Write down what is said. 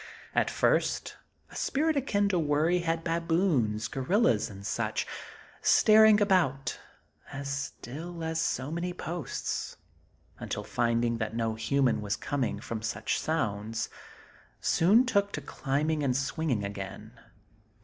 At first a spirit akin to worry had baboons, gorillas, and such, staring about, as still as so many posts; until, finding that no harm was coming from such sounds, soon took to climbing and swinging again.